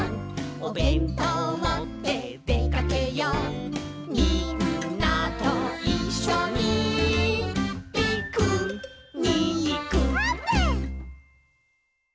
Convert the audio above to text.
「おべんとうもってでかけよう」「みんなといっしょにピクニック」あーぷん。